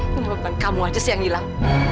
kenapa bukan kamu aja sih yang hilang